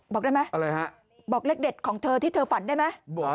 บอกได้ไหมบอกเลขเด็ดของเธอที่เธอฝันได้ไหมอะไรฮะ